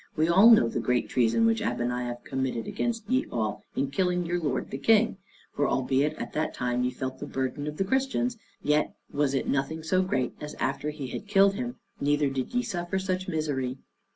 We all know the great treason which Abeniaf committed against ye all in killing your lord the King; for albeit at that time ye felt the burden of the Christians, yet was it nothing so great as after he had killed him, neither did ye suffer such misery.